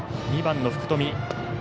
２番の福冨。